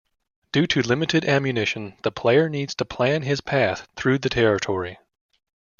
Due to limited ammunition, the player needs to plan his path through the territory.